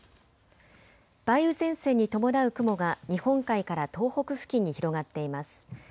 梅雨前線に伴う雲が日本海から東北付近に広がっています。